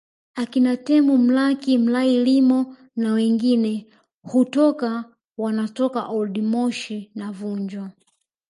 Akina Temu Mlaki Mlay Lyimo na wengine hutoka wanatoka Old Moshi na Vunjo